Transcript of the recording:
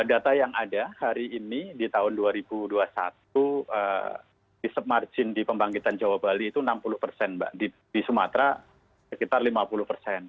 data yang ada hari ini di tahun dua ribu dua puluh satu disep margin di pembangkitan jawa bali itu enam puluh persen mbak di sumatera sekitar lima puluh persen